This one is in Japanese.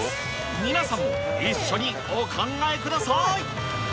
皆さん、一緒にお考えください。